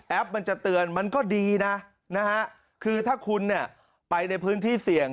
มันจะเตือนมันก็ดีนะนะฮะคือถ้าคุณเนี่ยไปในพื้นที่เสี่ยง